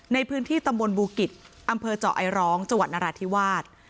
ในพื้นที่ตำบลบูกิจอำเภอเจาะไอร้องจังหวัดนราธิวาส